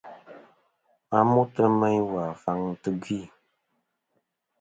Ma mutɨ meyn wù faŋ tɨ̀ gvì.